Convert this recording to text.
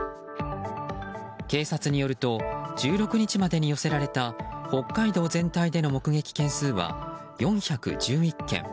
警察によると１６日までに寄せられた北海道全体での目撃件数は４１１件。